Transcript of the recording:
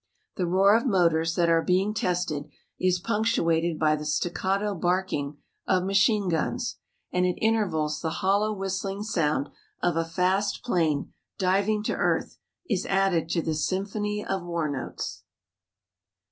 The roar of motors that are being tested, is punctuated by the staccato barking of machine guns, and at intervals the hollow whistling sound of a fast plane diving to earth is added to this symphony of war notes.